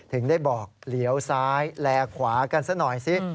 ถึงได้บอกเหลียวซ้ายแลขวากันซะหน่อยสิ